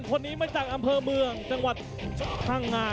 คนนี้มาจากอำเภอเมืองจังหวัดพังงา